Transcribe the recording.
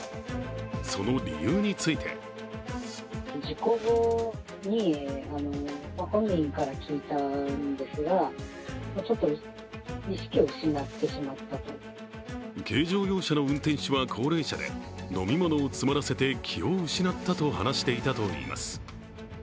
その理由について軽乗用車の運転手は高齢者で飲み物を詰まらせて気を失ったと話していたといいます。